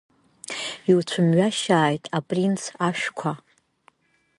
Иуцәымҩашьааит, апринц, ашәқәа!